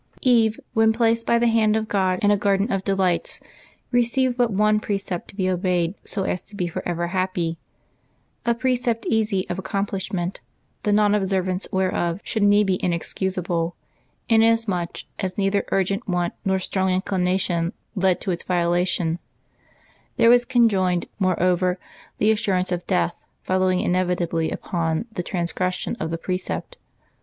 eVE, when placed by the hand of God in a garden of delights, received but one precept to be obeyed so as to be forever happy — a precept easy of accomplishment, the non observance whereof should needs be inexcusable, inasmuch as neither urgent want nor strong inclina tion led to its violation; there was conjoined, moreover, the assurance of death following inevitably upon the transgression of the precept.